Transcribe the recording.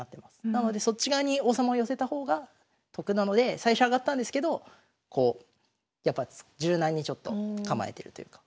なのでそっち側に王様を寄せた方が得なので最初上がったんですけどやっぱ柔軟にちょっと構えてるというか。